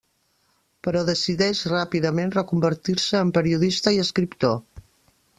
Però decideix ràpidament reconvertir-se en periodista i escriptor.